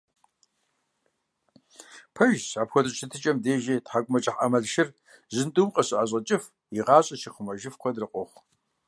Пэжщ, апхуэдэ щытыкIэхэм дежи тхьэкIумэкIыхь Iэмалшыр жьындум къыщыIэщIэкIыф, и гъащIэр щихъумэжыф куэдрэ къохъу.